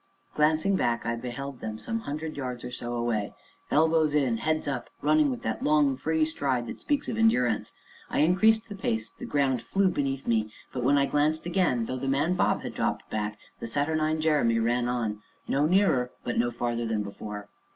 Glancing back, I beheld them some hundred yards, or so, away, elbows in, heads up, running with that long, free stride that speaks of endurance. I increased the pace, the ground flew beneath me, but, when I glanced again, though the man Bob had dropped back, the saturnine Jeremy ran on, no nearer, but no farther than before.